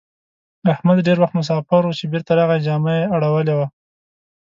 احمد ډېر وخت مساپر وو؛ چې بېرته راغی جامه يې اړولې وه.